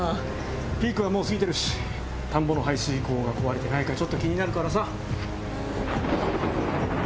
ピークはもう過ぎてるし田んぼの排水溝が壊れてないかちょっと気になるからさ。